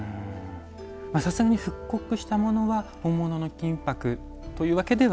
さすがに復刻したものは本物の金ぱくというわけでは。